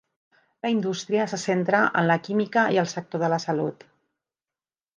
La indústria se centra en la química i el sector de la salut.